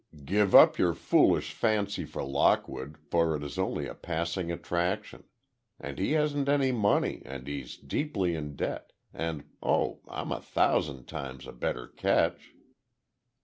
Give up your foolish fancy for Lockwood, for it is only a passing attraction. And he hasn't any money, and he's deeply in debt, and oh, I'm a thousand times a better catch!"